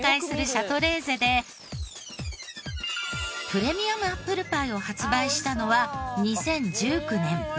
プレミアムアップルパイを発売したのは２０１９年。